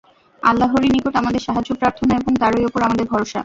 আল্লাহরই নিকট আমাদের সাহায্য প্রার্থনা এবং তাঁরই উপর আমাদের ভরসা।